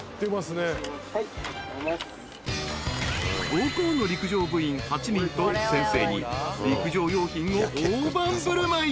［母校の陸上部員８人と先生に陸上用品を大盤振る舞い。